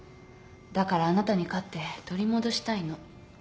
だからあなたに勝って取り戻したいの。